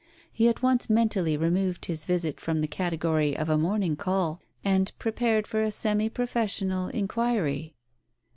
He at once mentally removed his visit from the category of a morning call, and prepared for a semi professional inquiry.